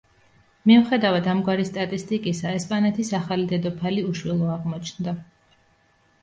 მიუხედავად ამგვარი სტატისტიკისა, ესპანეთის ახალი დედოფალი უშვილო აღმოჩნდა.